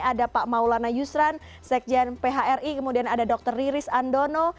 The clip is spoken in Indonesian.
ada pak maulana yusran sekjen phri kemudian ada dr riris andono